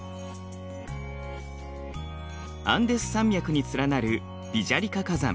アンデス山脈に連なるビジャリカ火山。